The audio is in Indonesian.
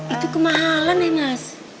itu kemahalan ya mas